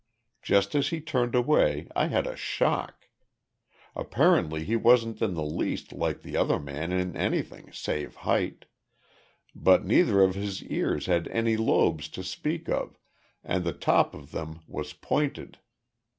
Just as he turned away I had a shock. Apparently he wasn't in the least like the other man in anything save height but neither of his ears had any lobes to speak of and the top of them was pointed!